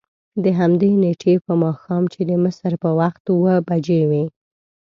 دهمدې نېټې په ماښام چې د مصر په وخت اوه بجې وې.